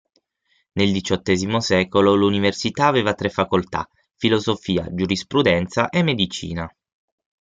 Nel diciottesimo secolo, l'università aveva tre facoltà: filosofia, giurisprudenza e medicina.